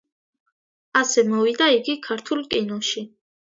ასე მოვიდა იგი ქართულ კინოში.